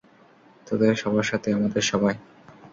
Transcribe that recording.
তোদের সবার সাথে, আমাদের সবাই।